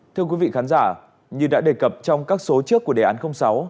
thưa quý vị khán giả như đã đề cập trong các số trước của đề án sáu